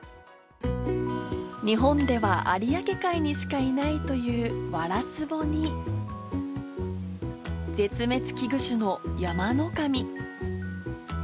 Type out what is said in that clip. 日本では有明海にしかいないというワラスボに、絶滅危惧種のヤマノカミ。